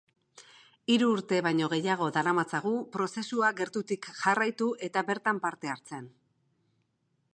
Hiru urte baino gehiago daramatzagu prozesua gertutik jarraitu eta bertan parte hartzen.